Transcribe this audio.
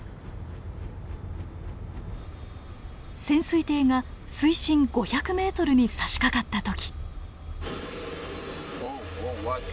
潜水艇が水深５００ｍにさしかかった時。